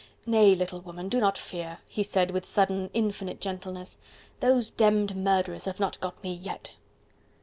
Nay! little woman, do not fear!" he said with sudden infinite gentleness, "those demmed murderers have not got me yet."